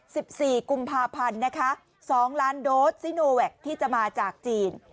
สิบสี่กุมภาพันธ์นะคะสองล้านโดสซิโนแวคที่จะมาจากจีน